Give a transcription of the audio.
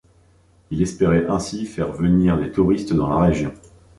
Il espérait ainsi faire venir des touristes dans la région.